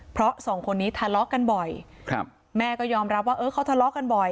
เพราะสองคนนี้ทะเลาะกันบ่อยครับแม่ก็ยอมรับว่าเออเขาทะเลาะกันบ่อย